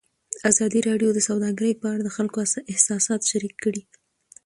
ازادي راډیو د سوداګري په اړه د خلکو احساسات شریک کړي.